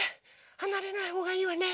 はなれないほうがいいわね。